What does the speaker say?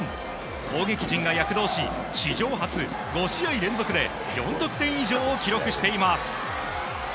攻撃陣が躍動し史上初５試合連続で４得点以上を記録しています。